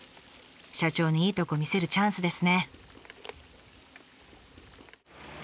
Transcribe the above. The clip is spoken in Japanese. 社長にいいとこ見せるチャンスですね。